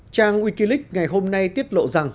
trang wikileaks ngày hôm nay tiết lộ rằng